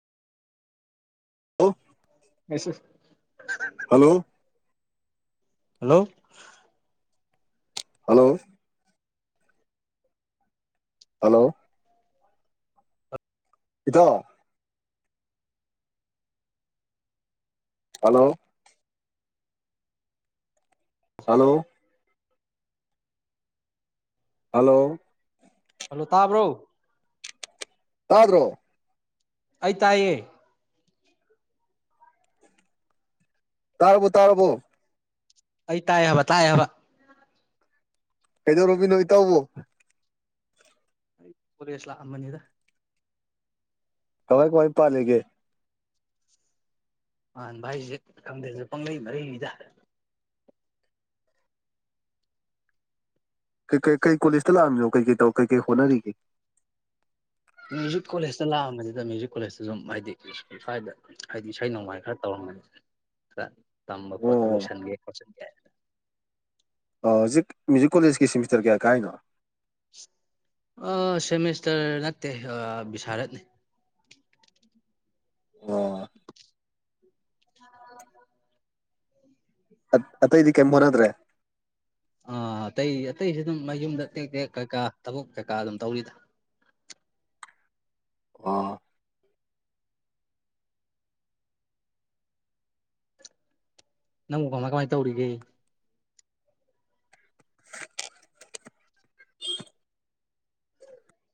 hello ꯑꯁꯨ hello hello hello hello ꯏꯊꯣ hello hello hello hello ꯇꯥꯕ꯭ꯔꯣ ꯇꯥꯔꯣ ꯑꯩ ꯇꯥꯏꯌꯦ ꯇꯥꯔꯔꯕꯕꯨ ꯇꯥꯔꯔꯕꯕꯨ ꯑꯩ ꯇꯥꯏ ꯍꯥꯏꯕ ꯇꯥꯏ ꯍꯥꯏꯕ ꯀꯗꯣ ꯔꯣꯕꯤ ꯅ ꯏ ꯇꯕꯨ ꯄꯨꯂꯦꯁꯂ ꯑꯝꯕꯅꯤꯗ ꯀꯃꯥꯏ ꯀꯃꯥꯏ ꯄꯥꯜꯂꯤꯒꯦ ꯑ ꯚꯥꯏꯁꯦ ꯈꯪꯗ꯭ꯔꯁꯨ ꯄꯪꯂꯩ ꯃꯔꯤꯅꯤꯗ ꯀꯩ ꯀꯩ ꯀꯩ ꯀꯣꯂꯦꯖꯇ ꯂꯥꯛꯝꯃꯤꯅꯣ ꯀꯩ ꯀꯩ ꯇꯧ ꯀꯩ ꯀꯩ ꯍꯣꯠꯅꯔꯤ ꯃ꯭ꯌꯨꯖꯤꯛ ꯀꯣꯂꯦꯖꯇ ꯂꯥꯛꯑꯝꯁꯤꯗ ꯃ꯭ꯌꯨꯖꯤꯛ ꯀꯣꯂꯦꯖꯇ ꯁꯝ ꯍꯥꯏꯗꯤ ꯁ꯭ꯋꯥꯏꯗ ꯍꯥꯏꯗꯤ ꯏꯁꯩ ꯅꯣꯡꯃꯥꯏ ꯈꯔ ꯇꯧꯔꯝꯒꯅꯤ ꯇꯝꯕ ꯈꯣꯠꯄ ꯑꯣ ꯂꯣꯏꯁꯟꯒꯦ ꯈꯣꯠꯆꯟꯒꯦ ꯍꯧꯖꯤꯛ ꯃ꯭ꯌꯨꯖꯤꯛ ꯀꯣꯂꯦꯖꯀꯤ ꯁꯦꯃꯤꯁꯇꯔ ꯀꯌꯥ ꯀꯥꯏꯔꯤꯅꯣ ꯁꯦꯃꯤꯁꯇꯔ ꯅꯠꯇꯦ ꯕꯤꯁꯥꯔꯠꯅꯤ ꯑꯣ ꯑ ꯑꯇꯩꯗꯤ ꯀꯩꯝ ꯍꯣꯠꯅꯗ꯭ꯔꯦ ꯑꯥ ꯑꯇꯩ ꯑꯇꯩꯁꯨ ꯑꯗꯨꯝ ꯃꯌꯨꯝꯗ ꯇꯦꯛ ꯇꯦꯛ ꯀꯩꯀꯥ ꯊꯕꯛ ꯀꯩꯀꯥ ꯑꯗꯨꯝ ꯇꯧꯔꯤꯗ ꯑꯣ ꯅꯪ ꯀꯥꯃꯥꯏ ꯀꯃꯥꯏꯅ ꯇꯧꯔꯤꯒꯦ